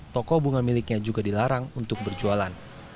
toko bunga miliknya juga dilarang untuk berjualan